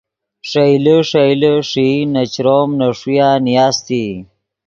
ݰئیلے ݰئیلے ݰئی نے چروم نے ݰویہ نیاستئی